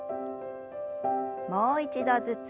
もう一度ずつ。